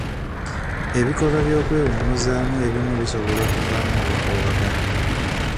Ebikolwa by'okwewummuzaamu ebimu bisobola okuvaamu obukuubagano.